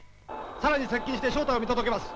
更に接近して正体を見届けます。